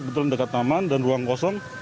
betul betul dekat taman dan ruang kosong